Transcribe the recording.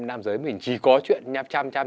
nam giới mình chỉ có chuyện nhập chăm chăm